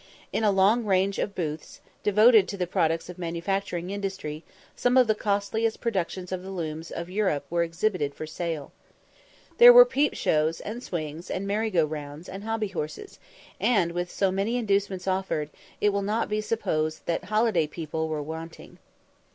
In a long range of booths, devoted to the products of manufacturing industry, some of the costliest productions of the looms of Europe were exhibited for sale. There were peep shows, and swings, and merry go rounds, and hobby horses, and, with so many inducements offered, it will not be supposed that holiday people were wanting.